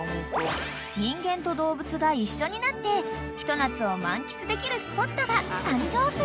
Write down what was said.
［人間と動物が一緒になってひと夏を満喫できるスポットが誕生する］